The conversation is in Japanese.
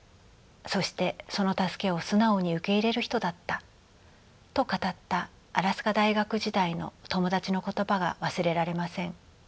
そしてその助けを素直に受け入れる人だった」と語ったアラスカ大学時代の友達の言葉が忘れられません。